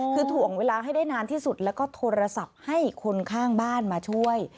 คือถ่วงเวลาให้ได้นานที่สุดแล้วก็โทรศัพท์ให้คนข้างบ้านมาช่วย